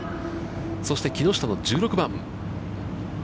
そして木下の１６番。